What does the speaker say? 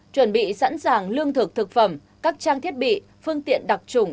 chuẩn bị sẵn sàng lương thực thực phẩm các trang thiết bị phương tiện đặc trùng